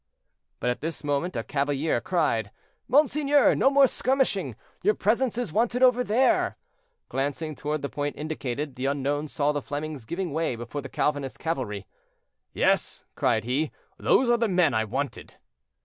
But at this moment a cavalier cried: "Monseigneur, no more skirmishing; your presence is wanted over there." Glancing toward the point indicated, the unknown saw the Flemings giving way before the Calvinist cavalry. "Yes," cried he, "those are the men I wanted."